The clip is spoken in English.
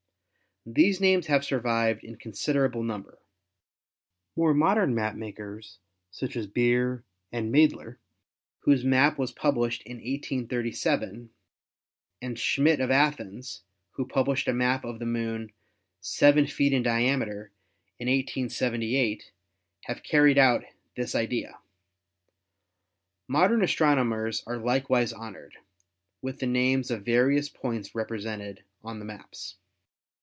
These names have survived in considerable number. More modern map makers, such as Beer and Maedler, whose map was published in 1837, and Schmidt of Athens, who published a map of the Moon THE MOON 177 seven feet in diameter in 1878, have carried out this idea. Modern astronomers are likewise honored with the names of various points represented on the maps.